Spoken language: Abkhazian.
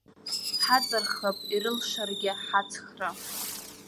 Ҳаҵырхып, ирылшаргьы ҳаҵхра!